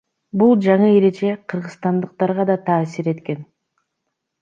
Бул жаңы эреже кыргызстандыктарга да таасир эткен.